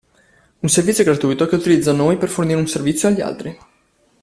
Un servizio gratuito che utilizza noi per fornire un servizio agli altri.